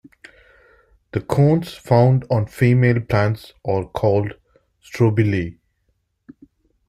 The cones found on female plants are called strobili.